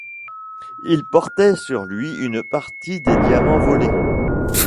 Il portait sur lui une partie des diamants volés.